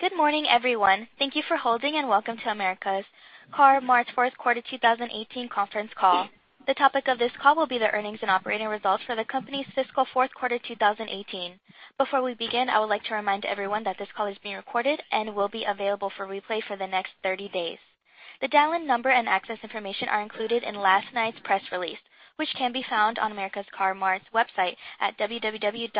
Good morning, everyone. Thank you for holding and welcome to America's Car-Mart third quarter 2018 conference call. The topic of this call will be the earnings and operating results for the company's fiscal fourth quarter 2018. Before we begin, I would like to remind everyone that this call is being recorded and will be available for replay for the next 30 days. The dial-in number and access information are included in last night's press release, which can be found on America's Car-Mart's website at www.car-mart.com.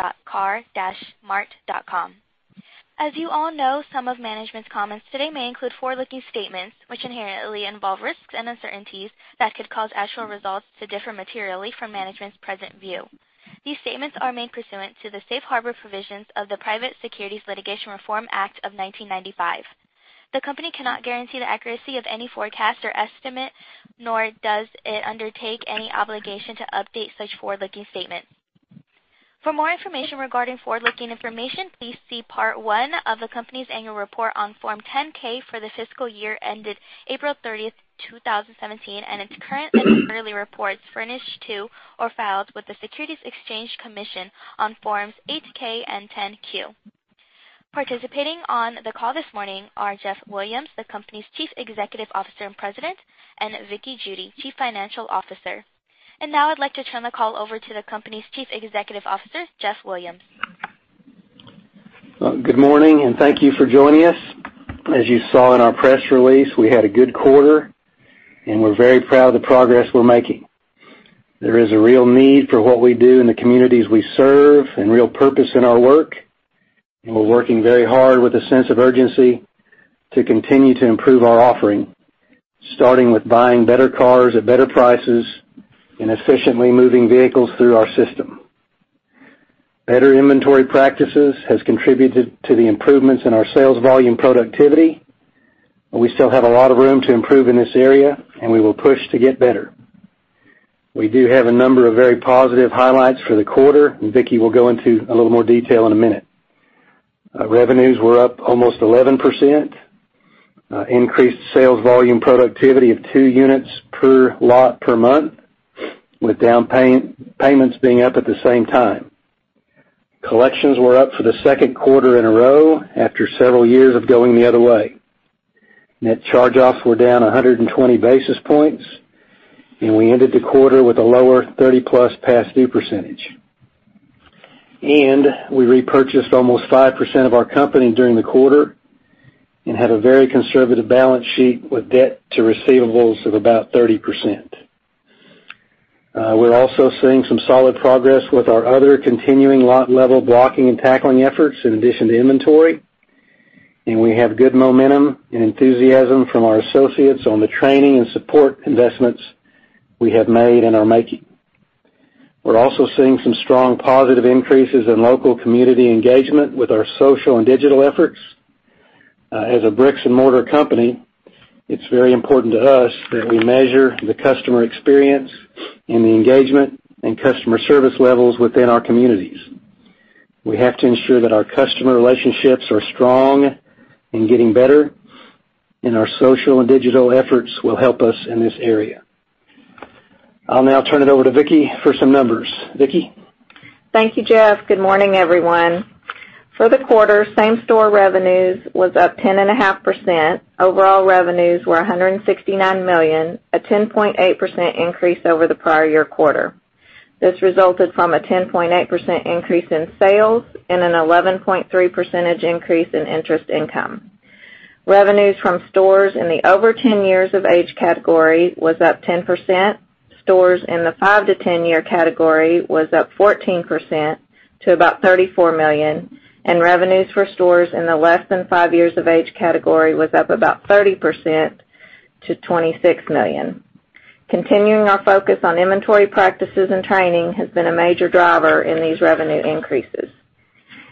As you all know, some of management's comments today may include forward-looking statements, which inherently involve risks and uncertainties that could cause actual results to differ materially from management's present view. These statements are made pursuant to the Safe Harbor Provisions of the Private Securities Litigation Reform Act of 1995. The company cannot guarantee the accuracy of any forecast or estimate, nor does it undertake any obligation to update such forward-looking statements. For more information regarding forward-looking information, please see Part One of the company's annual report on Form 10-K for the fiscal year ended April 30th, 2017, and its current and quarterly reports furnished to or filed with the Securities and Exchange Commission on Forms 8-K and 10-Q. Participating on the call this morning are Jeff Williams, the company's Chief Executive Officer and President, and Vickie Judy, Chief Financial Officer. Now I'd like to turn the call over to the company's Chief Executive Officer, Jeff Williams. Well, good morning, and thank you for joining us. As you saw in our press release, we had a good quarter, and we're very proud of the progress we're making. There is a real need for what we do in the communities we serve and real purpose in our work, and we're working very hard with a sense of urgency to continue to improve our offering, starting with buying better cars at better prices and efficiently moving vehicles through our system. Better inventory practices has contributed to the improvements in our sales volume productivity, but we still have a lot of room to improve in this area, and we will push to get better. We do have a number of very positive highlights for the quarter, and Vickie will go into a little more detail in a minute. Revenues were up almost 11%, increased sales volume productivity of two units per lot per month, with down payments being up at the same time. Collections were up for the second quarter in a row after several years of going the other way. Net charge-offs were down 120 basis points, and we ended the quarter with a lower 30-plus past due percentage. We repurchased almost five percent of our company during the quarter and have a very conservative balance sheet with debt to receivables of about 30%. We're also seeing some solid progress with our other continuing lot level blocking and tackling efforts in addition to inventory, and we have good momentum and enthusiasm from our associates on the training and support investments we have made and are making. We're also seeing some strong positive increases in local community engagement with our social and digital efforts. as a bricks-and-mortar company, it's very important to us that we measure the customer experience and the engagement and customer service levels within our communities. We have to ensure that our customer relationships are strong and getting better, and our social and digital efforts will help us in this area. I'll now turn it over to Vickie for some numbers. Vickie? Thank you, Jeff. Good morning, everyone. For the quarter, same-store revenues was up 10.5%. Overall revenues were $169 million, a 10.8% increase over the prior year quarter. This resulted from a 10.8% increase in sales and an 11.3% increase in interest income. Revenues from stores in the over 10 years of age category was up 10%, stores in the 5 to 10 year category was up 14% to about $34 million, and revenues for stores in the less than 5 years of age category was up about 30% to $26 million. Continuing our focus on inventory practices and training has been a major driver in these revenue increases.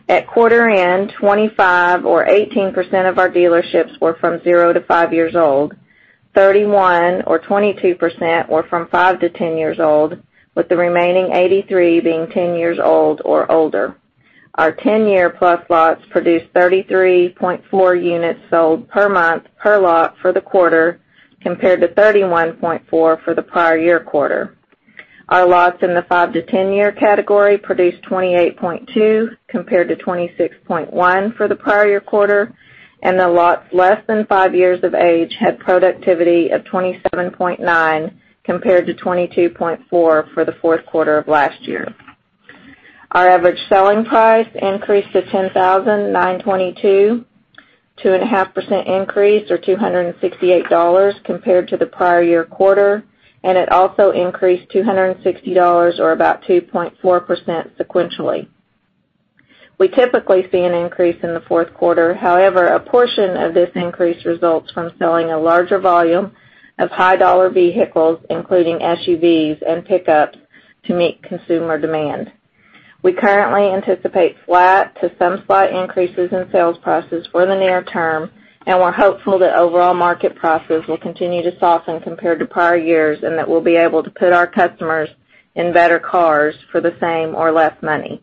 At quarter end, 25 or 18% of our dealerships were from zero to five years old, 31 or 22% were from five to 10 years old, with the remaining 83 being 10 years old or older. Our 10-year-plus lots produced 33.4 units sold per month per lot for the quarter, compared to 31.4 for the prior year quarter. Our lots in the 5 to 10-year category produced 28.2, compared to 26.1 for the prior year quarter, and the lots less than five years of age had productivity of 27.9, compared to 22.4 for the fourth quarter of last year. Our average selling price increased to $10,922, a 2.5% increase or $268 compared to the prior year quarter, and it also increased $260 or about 2.4% sequentially. We typically see an increase in the fourth quarter. However, a portion of this increase results from selling a larger volume of high-dollar vehicles, including SUVs and pickups, to meet consumer demand. We currently anticipate flat to some slight increases in sales prices for the near term, and we're hopeful that overall market prices will continue to soften compared to prior years, and that we'll be able to put our customers in better cars for the same or less money.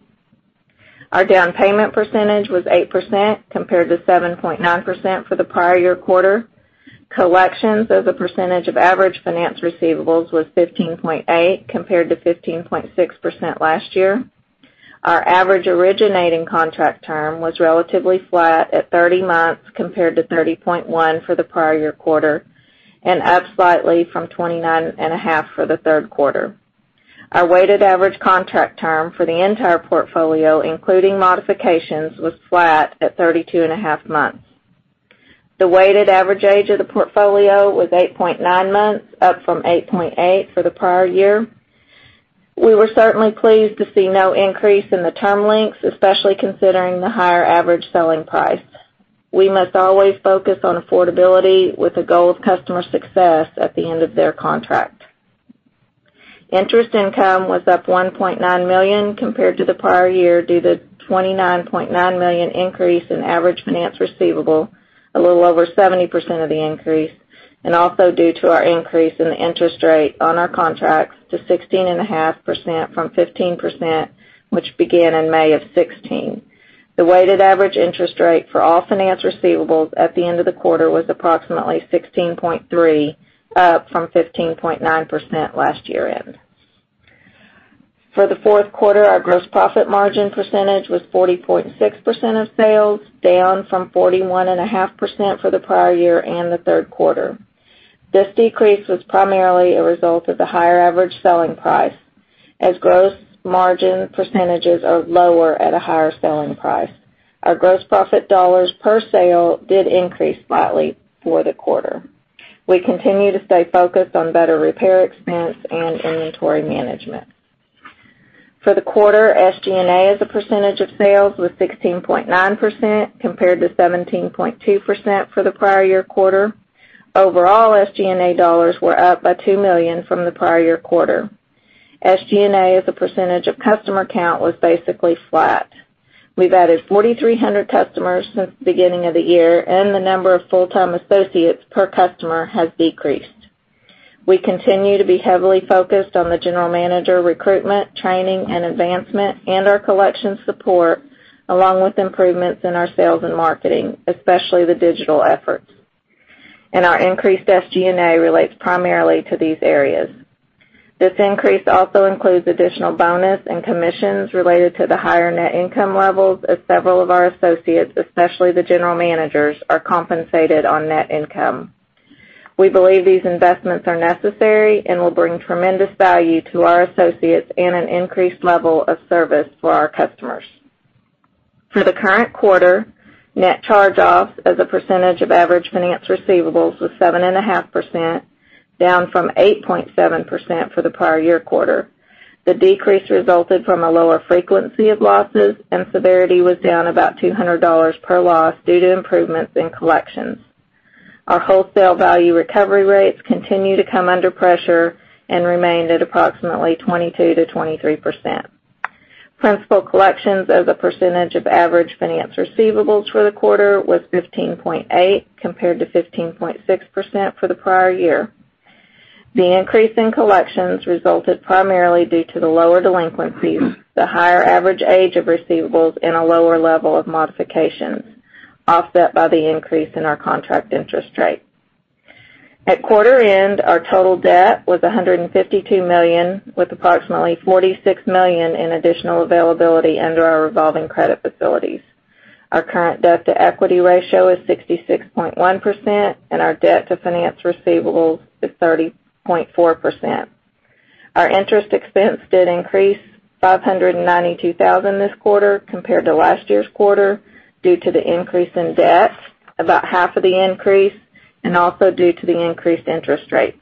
Our down payment percentage was 8%, compared to 7.9% for the prior year quarter. Collections as a percentage of average finance receivables was 15.8%, compared to 15.6% last year. Our average originating contract term was relatively flat at 30 months, compared to 30.1 for the prior year quarter, and up slightly from 29.5 for the third quarter. Our weighted average contract term for the entire portfolio, including modifications, was flat at 32.5 months. The weighted average age of the portfolio was 8.9 months, up from 8.8 for the prior year. We were certainly pleased to see no increase in the term lengths, especially considering the higher average selling price. We must always focus on affordability with the goal of customer success at the end of their contract. Interest income was up $1.9 million compared to the prior year due to $29.9 million increase in average finance receivable, a little over 70% of the increase, and also due to our increase in the interest rate on our contracts to 16.5% from 15%, which began in May of 2016. The weighted average interest rate for all finance receivables at the end of the quarter was approximately 16.3%, up from 15.9% last year end. For the fourth quarter, our gross profit margin percentage was 40.6% of sales, down from 41.5% for the prior year and the third quarter. This decrease was primarily a result of the higher average selling price, as gross margin percentages are lower at a higher selling price. Our gross profit dollars per sale did increase slightly for the quarter. We continue to stay focused on better repair expense and inventory management. For the quarter, SG&A as a percentage of sales was 16.9%, compared to 17.2% for the prior year quarter. Overall, SG&A dollars were up by $2 million from the prior year quarter. SG&A as a percentage of customer count was basically flat. We've added 4,300 customers since the beginning of the year, and the number of full-time associates per customer has decreased. We continue to be heavily focused on the general manager recruitment, training, and advancement, and our collection support, along with improvements in our sales and marketing, especially the digital efforts. Our increased SG&A relates primarily to these areas. This increase also includes additional bonus and commissions related to the higher net income levels as several of our associates, especially the general managers, are compensated on net income. We believe these investments are necessary and will bring tremendous value to our associates and an increased level of service for our customers. For the current quarter, net charge-offs as a percentage of average finance receivables was 7.5%, down from 8.7% for the prior year quarter. The decrease resulted from a lower frequency of losses, and severity was down about $200 per loss due to improvements in collections. Our wholesale value recovery rates continue to come under pressure and remained at approximately 22%-23%. Principal collections as a percentage of average finance receivables for the quarter was 15.8%, compared to 15.6% for the prior year. The increase in collections resulted primarily due to the lower delinquencies, the higher average age of receivables, and a lower level of modifications, offset by the increase in our contract interest rate. At quarter end, our total debt was $152 million, with approximately $46 million in additional availability under our revolving credit facilities. Our current debt-to-equity ratio is 66.1%, and our debt to finance receivables is 30.4%. Our interest expense did increase $592,000 this quarter compared to last year's quarter due to the increase in debt, about half of the increase, and also due to the increased interest rates.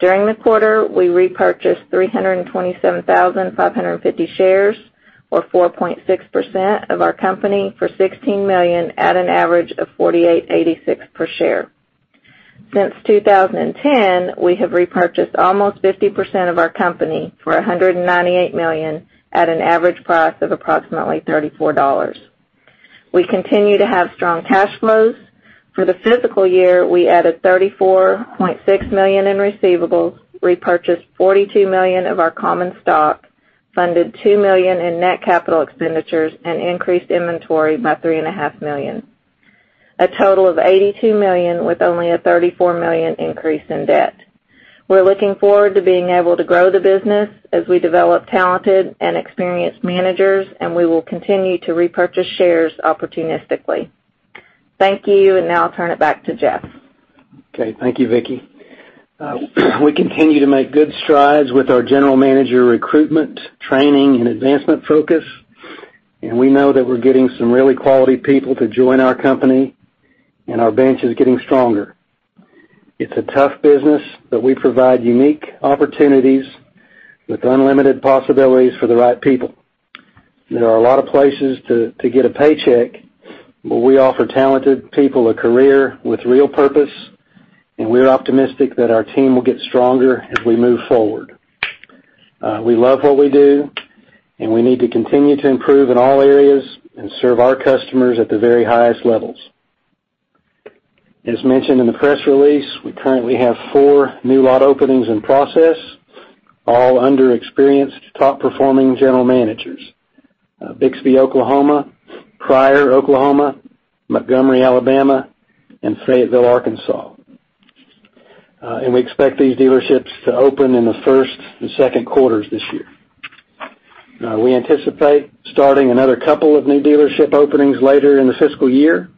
During the quarter, we repurchased 327,550 shares, or 4.6% of our company, for $16 million at an average of $48.86 per share. Since 2010, we have repurchased almost 50% of our company for $198 million at an average price of approximately $34. We continue to have strong cash flows. For the fiscal year, we added $34.6 million in receivables, repurchased $42 million of our common stock, funded $2 million in net capital expenditures, and increased inventory by $3.5 million. A total of $82 million with only a $34 million increase in debt. We're looking forward to being able to grow the business as we develop talented and experienced managers. We will continue to repurchase shares opportunistically. Thank you, and now I'll turn it back to Jeff. Okay. Thank you, Vickie. We continue to make good strides with our general manager recruitment, training, and advancement focus. We know that we're getting some really quality people to join our company. Our bench is getting stronger. It's a tough business, but we provide unique opportunities with unlimited possibilities for the right people. There are a lot of places to get a paycheck, but we offer talented people a career with real purpose. We're optimistic that our team will get stronger as we move forward. We love what we do. We need to continue to improve in all areas and serve our customers at the very highest levels. As mentioned in the press release, we currently have four new lot openings in process. All under experienced top performing general managers. Bixby, Oklahoma, Pryor, Oklahoma, Montgomery, Alabama, and Fayetteville, Arkansas. We expect these dealerships to open in the first and second quarters this year. We anticipate starting another couple of new dealership openings later in the fiscal year.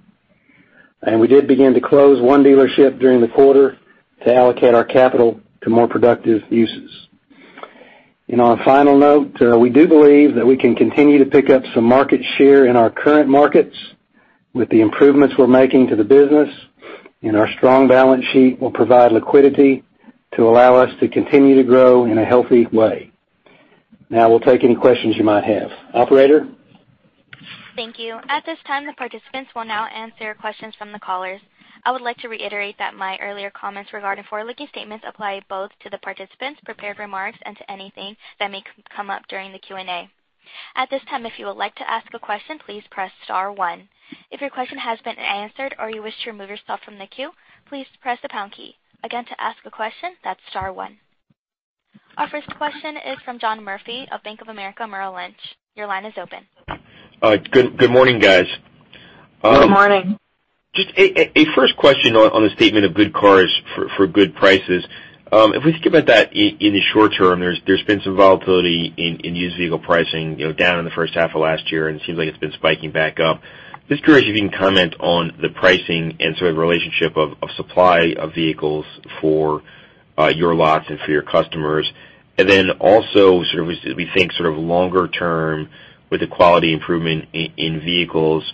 We did begin to close one dealership during the quarter to allocate our capital to more productive uses. In our final note, we do believe that we can continue to pick up some market share in our current markets with the improvements we're making to the business. Our strong balance sheet will provide liquidity to allow us to continue to grow in a healthy way. Now, we'll take any questions you might have. Operator? Thank you. At this time, the participants will now answer questions from the callers. I would like to reiterate that my earlier comments regarding forward-looking statements apply both to the participants' prepared remarks and to anything that may come up during the Q&A. At this time, if you would like to ask a question, please press star one. If your question has been answered or you wish to remove yourself from the queue, please press the pound key. Again, to ask a question, that's star one. Our first question is from John Murphy of Bank of America Merrill Lynch. Your line is open. Good morning, guys. Good morning. Just a first question on the statement of good cars for good prices. If we think about that in the short term, there's been some volatility in used vehicle pricing, down in the first half of last year, and it seems like it's been spiking back up. Just curious if you can comment on the pricing and sort of relationship of supply of vehicles for your lots and for your customers. Also, we think sort of longer term with the quality improvement in vehicles,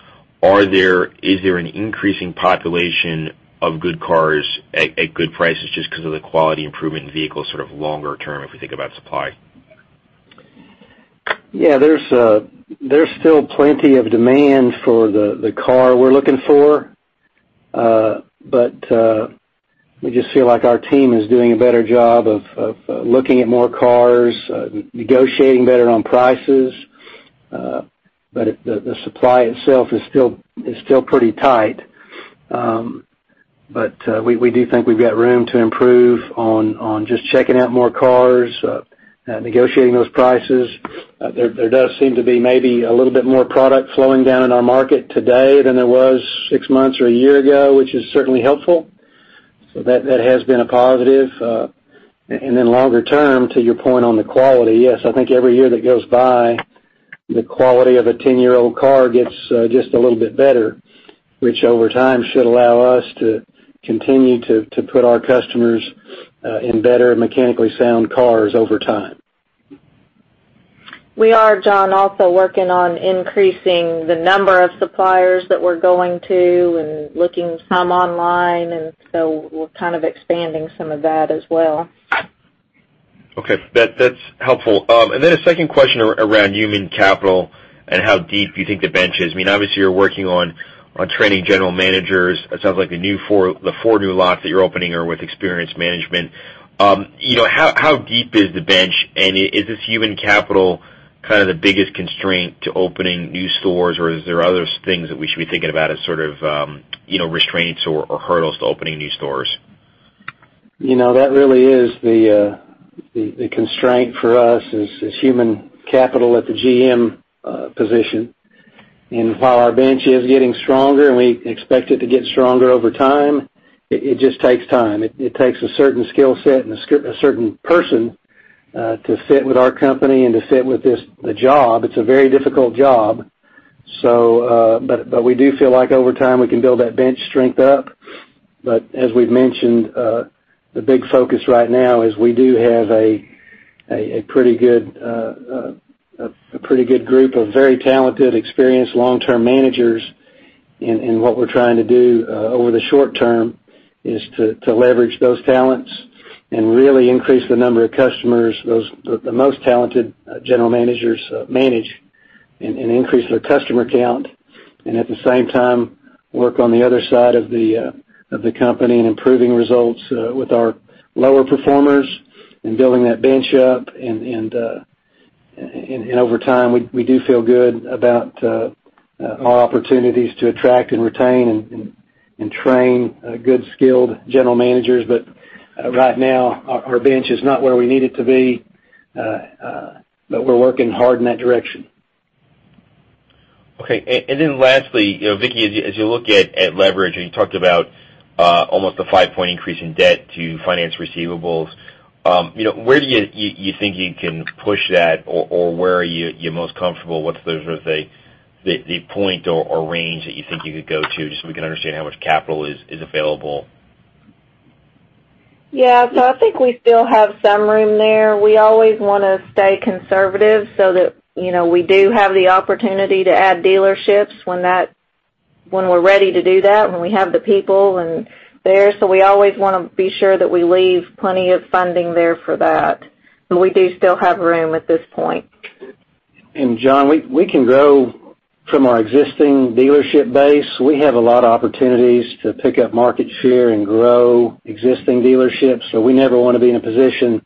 is there an increasing population of good cars at good prices just because of the quality improvement in vehicles sort of longer term, if we think about supply? Yeah. There's still plenty of demand for the car we're looking for. We just feel like our team is doing a better job of looking at more cars, negotiating better on prices. The supply itself is still pretty tight. We do think we've got room to improve on just checking out more cars, negotiating those prices. There does seem to be maybe a little bit more product flowing down in our market today than there was six months or a year ago, which is certainly helpful. That has been a positive. Longer term, to your point on the quality, yes, I think every year that goes by, the quality of a 10-year-old car gets just a little bit better, which over time should allow us to continue to put our customers in better mechanically sound cars over time. We are, John, also working on increasing the number of suppliers that we're going to and looking some online. We're kind of expanding some of that as well. Okay. That's helpful. A second question around human capital and how deep you think the bench is. Obviously, you're working on training general managers. It sounds like the four new lots that you're opening are with experienced management. How deep is the bench, and is this human capital kind of the biggest constraint to opening new stores, or is there other things that we should be thinking about as sort of restraints or hurdles to opening new stores? That really is the constraint for us, is human capital at the GM position. While our bench is getting stronger, and we expect it to get stronger over time, it just takes time. It takes a certain skill set and a certain person to fit with our company and to fit with the job. It's a very difficult job. We do feel like over time, we can build that bench strength up. As we've mentioned, the big focus right now is we do have a pretty good group of very talented, experienced long-term managers. What we're trying to do over the short term is to leverage those talents and really increase the number of customers the most talented general managers manage, and increase their customer count, and at the same time, work on the other side of the company in improving results with our lower performers and building that bench up. Over time, we do feel good about our opportunities to attract and retain and train good, skilled general managers. Right now, our bench is not where we need it to be. We're working hard in that direction. Okay. Lastly, Vickie, as you look at leverage, you talked about almost a five-point increase in debt to finance receivables, where do you think you can push that or where are you most comfortable? What's the sort of point or range that you think you could go to, just so we can understand how much capital is available? Yeah. I think we still have some room there. We always want to stay conservative that we do have the opportunity to add dealerships when we're ready to do that, when we have the people there. We always want to be sure that we leave plenty of funding there for that. We do still have room at this point. John, we can grow from our existing dealership base. We have a lot of opportunities to pick up market share and grow existing dealerships, we never want to be in a position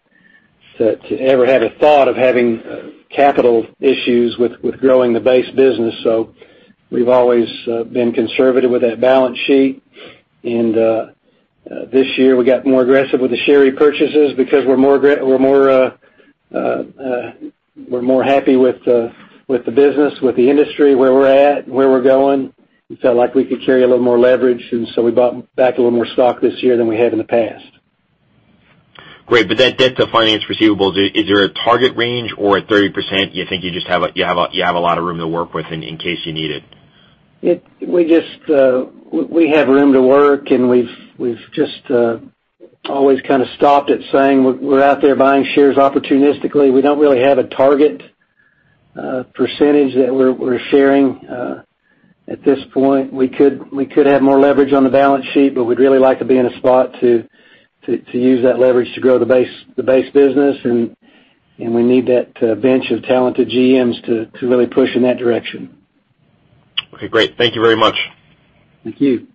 to ever have a thought of having capital issues with growing the base business. We've always been conservative with that balance sheet. This year, we got more aggressive with the share repurchases because we're more happy with the business, with the industry, where we're at, and where we're going. It felt like we could carry a little more leverage, we bought back a little more stock this year than we had in the past. Great, that debt to finance receivables, is there a target range? At 30%, you think you just have a lot of room to work with in case you need it? We have room to work, and we've just always kind of stopped at saying we're out there buying shares opportunistically. We don't really have a target percentage that we're sharing at this point. We could have more leverage on the balance sheet, but we'd really like to be in a spot to use that leverage to grow the base business. We need that bench of talented GMs to really push in that direction. Okay, great. Thank you very much. Thank you.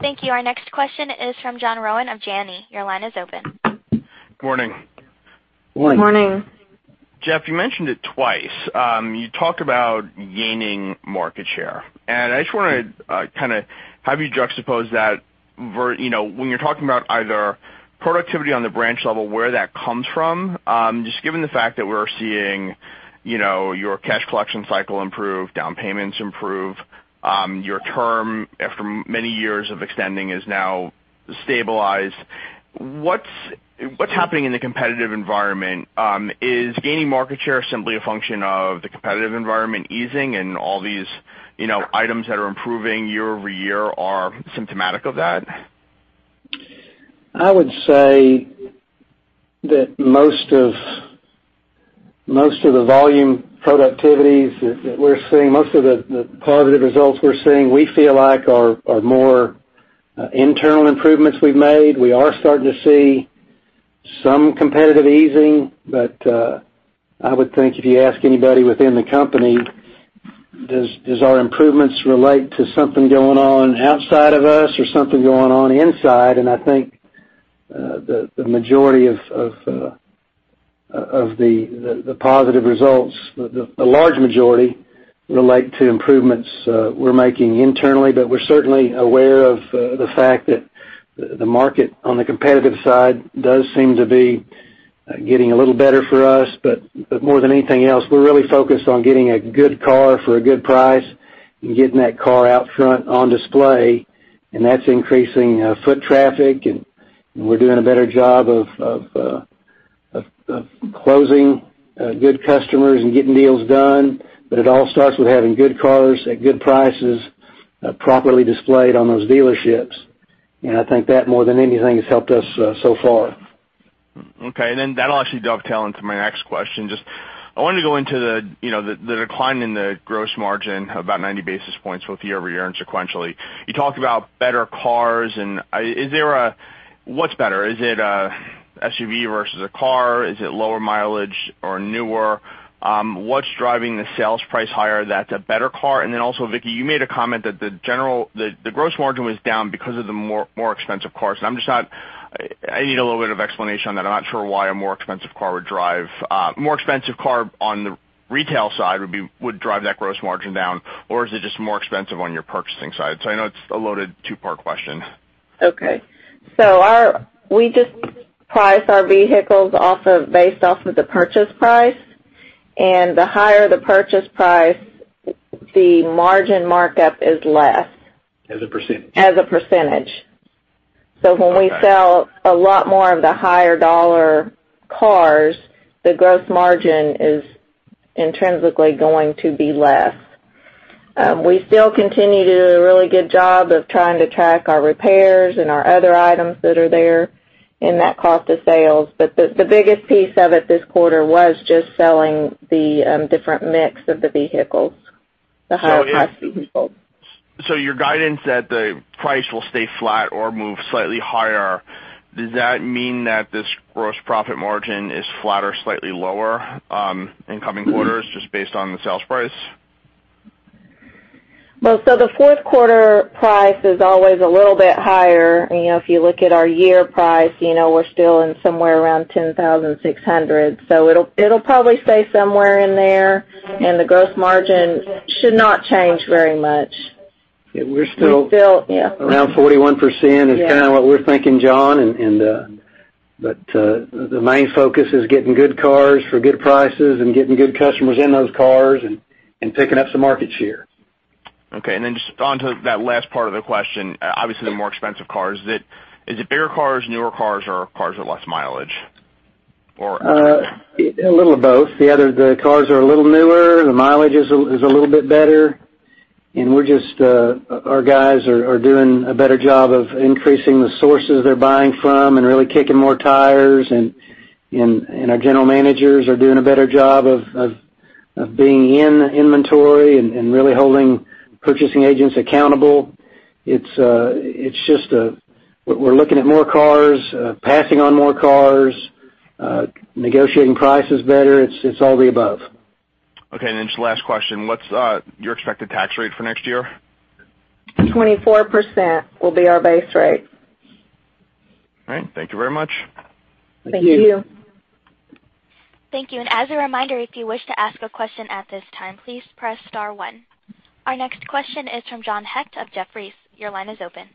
Thank you. Our next question is from John Rowan of Janney. Your line is open. Morning. Morning. Morning. Jeff, you mentioned it twice. You talked about gaining market share. I just want to kind of have you juxtapose that. When you're talking about either productivity on the branch level, where that comes from, just given the fact that we're seeing your cash collection cycle improve, down payments improve, your term, after many years of extending, is now stabilized. What's happening in the competitive environment? Is gaining market share simply a function of the competitive environment easing, and all these items that are improving year-over-year are symptomatic of that? I would say that most of the volume productivities that we're seeing, most of the positive results we're seeing, we feel like are more internal improvements we've made. We are starting to see some competitive easing. I would think if you ask anybody within the company, does our improvements relate to something going on outside of us or something going on inside? I think the majority of the positive results, a large majority, relate to improvements we're making internally. We're certainly aware of the fact that the market, on the competitive side, does seem to be getting a little better for us. More than anything else, we're really focused on getting a good car for a good price and getting that car out front on display, and that's increasing foot traffic, and we're doing a better job of closing good customers and getting deals done. It all starts with having good cars at good prices, properly displayed on those dealerships. I think that, more than anything, has helped us so far. Okay. That'll actually dovetail into my next question. I wanted to go into the decline in the gross margin, about 90 basis points both year-over-year and sequentially. You talked about better cars. What's better? Is it a SUV versus a car? Is it lower mileage or newer? What's driving the sales price higher that's a better car? Then also, Vickie, you made a comment that the gross margin was down because of the more expensive cars. I need a little bit of explanation on that. I'm not sure why a more expensive car on the retail side would drive that gross margin down, or is it just more expensive on your purchasing side? I know it's a loaded two-part question. Okay. We just price our vehicles based off of the purchase price, and the higher the purchase price, the margin markup is less. As a percentage. As a percentage. Okay. When we sell a lot more of the higher dollar cars, the gross margin is intrinsically going to be less. We still continue to do a really good job of trying to track our repairs and our other items that are there in that cost of sales. The biggest piece of it this quarter was just selling the different mix of the vehicles, the higher priced vehicles. Your guidance that the price will stay flat or move slightly higher, does that mean that this gross profit margin is flat or slightly lower in coming quarters just based on the sales price? The fourth quarter price is always a little bit higher. If you look at our year price, we're still in somewhere around $10,600. It'll probably stay somewhere in there, and the gross margin should not change very much. We're still. We still, yeah. around 41% is kind of what we're thinking, John. The main focus is getting good cars for good prices and getting good customers in those cars and picking up some market share. Okay, just onto that last part of the question, obviously, the more expensive cars. Is it bigger cars, newer cars, or cars with less mileage? A little of both. The cars are a little newer. The mileage is a little bit better. Our guys are doing a better job of increasing the sources they're buying from and really kicking more tires, and our general managers are doing a better job of being in inventory and really holding purchasing agents accountable. We're looking at more cars, passing on more cars, negotiating prices better. It's all of the above. Okay, just the last question. What's your expected tax rate for next year? 24% will be our base rate. All right. Thank you very much. Thank you. Thank you. As a reminder, if you wish to ask a question at this time, please press star one. Our next question is from John Hecht of Jefferies. Your line is open.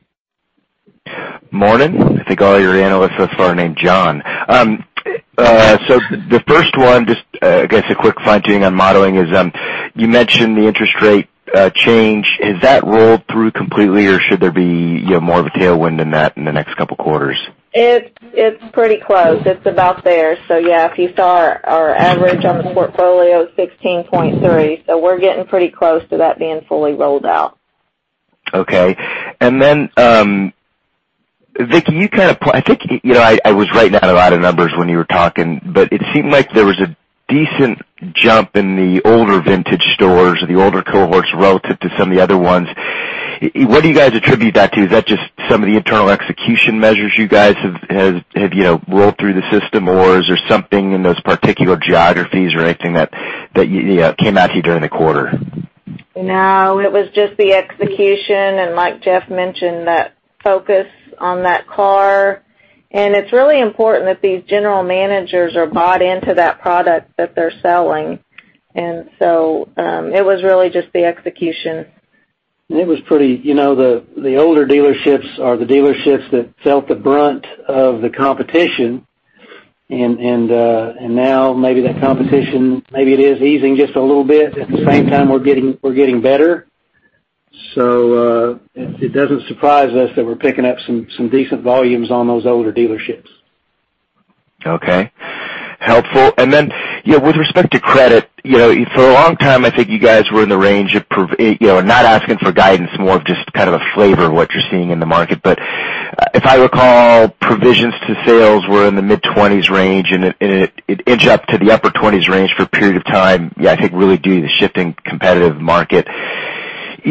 Morning. I think all your analysts thus far are named John. The first one, just, I guess a quick fronting on modeling is, you mentioned the interest rate change. Has that rolled through completely, or should there be more of a tailwind in that in the next couple quarters? It's pretty close. It's about there. Yeah, if you saw our average on the portfolio, 16.3. We're getting pretty close to that being fully rolled out. Okay. Then, Vickie, I was writing down a lot of numbers when you were talking, it seemed like there was a decent jump in the older vintage stores or the older cohorts relative to some of the other ones. What do you guys attribute that to? Is that just some of the internal execution measures you guys have rolled through the system, or is there something in those particular geographies or anything that came at you during the quarter? No, it was just the execution and like Jeff mentioned, that focus on that car. It's really important that these general managers are bought into that product that they're selling. It was really just the execution. The older dealerships are the dealerships that felt the brunt of the competition. Now maybe that competition, maybe it is easing just a little bit. At the same time, we're getting better. It doesn't surprise us that we're picking up some decent volumes on those older dealerships. Okay. Helpful. With respect to credit, for a long time, I think you guys were in the range of, not asking for guidance, more of just kind of a flavor of what you're seeing in the market. If I recall, provisions to sales were in the mid-20s range, and it inched up to the upper 20s range for a period of time, I think really due to the shifting competitive market.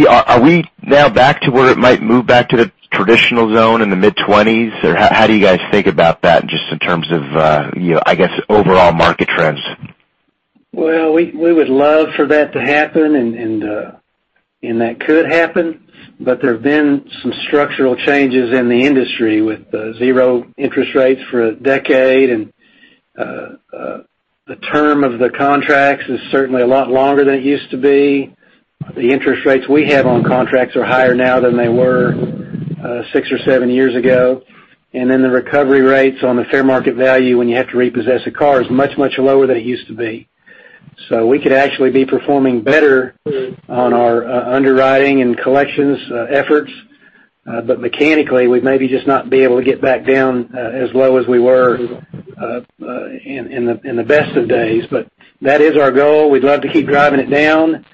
Are we now back to where it might move back to the traditional zone in the mid-20s? How do you guys think about that just in terms of, I guess, overall market trends? Well, we would love for that to happen. That could happen, but there have been some structural changes in the industry with zero interest rates for a decade, and the term of the contracts is certainly a lot longer than it used to be. The interest rates we have on contracts are higher now than they were six or seven years ago. The recovery rates on the fair market value when you have to repossess a car is much, much lower than it used to be. We could actually be performing better on our underwriting and collections efforts, but mechanically, we'd maybe just not be able to get back down as low as we were in the best of days. That is our goal. We'd love to keep driving it down,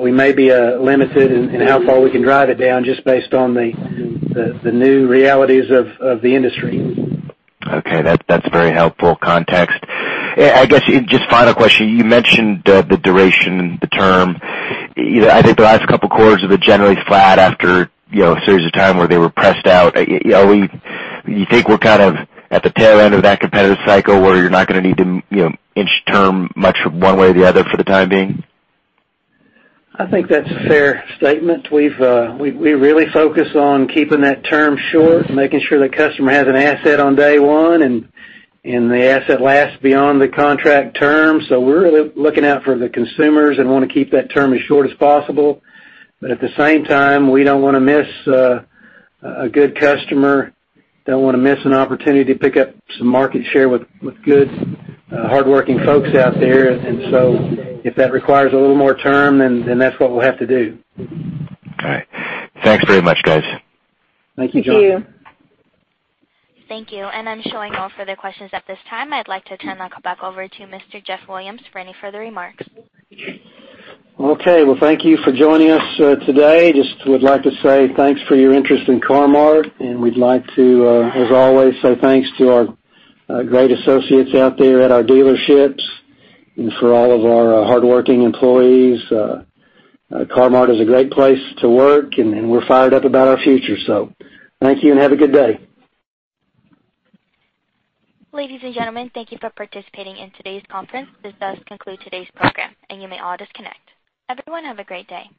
we may be limited in how far we can drive it down just based on the new realities of the industry. Okay. That's very helpful context. I guess, just final question, you mentioned the duration and the term. I think the last couple of quarters have been generally flat after a series of time where they were pressed out. You think we're kind of at the tail end of that competitive cycle where you're not going to need to inch term much one way or the other for the time being? I think that's a fair statement. We really focus on keeping that term short, making sure the customer has an asset on day one, and the asset lasts beyond the contract term. We're really looking out for the consumers and want to keep that term as short as possible. At the same time, we don't want to miss a good customer, don't want to miss an opportunity to pick up some market share with good, hardworking folks out there. If that requires a little more term, then that's what we'll have to do. All right. Thanks very much, guys. Thank you, John. Thank you. Thank you. I'm showing no further questions at this time. I'd like to turn the call back over to Mr. Jeff Williams for any further remarks. Okay. Well, thank you for joining us today. Just would like to say thanks for your interest in Car-Mart, and we'd like to, as always, say thanks to our great associates out there at our dealerships and for all of our hardworking employees. Car-Mart is a great place to work, and we're fired up about our future. Thank you, and have a good day. Ladies and gentlemen, thank you for participating in today's conference. This does conclude today's program, and you may all disconnect. Everyone have a great day.